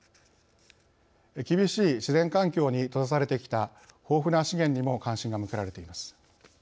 厳しい自然環境に閉ざされてきた豊富な資源にも関心が向けられています。